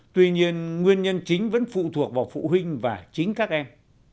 tuy nhiên nguyên nhân chính vẫn phụ thuộc vào phụ huynh và chính các em